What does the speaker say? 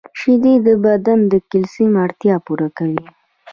• شیدې د بدن د کلسیم اړتیا پوره کوي.